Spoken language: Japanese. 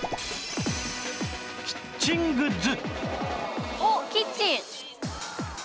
キッチングッズ